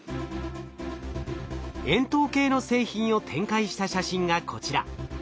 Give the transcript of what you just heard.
円筒形の製品を展開した写真がこちら。